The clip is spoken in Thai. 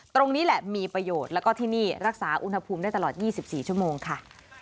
ตรงนี้แหละมีประโยชน์แล้วก็ที่นี่รักษาอุณหภูมิได้ตลอด๒๔ชั่วโมงค่ะ